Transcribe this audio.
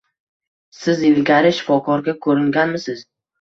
Siz ilgari shifokorga ko'ringanmisiz?